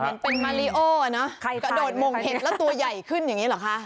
เห็นเป็นมาริโอเนอะกระโดดมงเห็ดแล้วตัวใหญ่ขึ้นอย่างนี้เหรอคะ